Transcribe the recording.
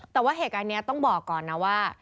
แต่ว่าเหตุการณ์นี้ต้องบอกก่อนนะว่า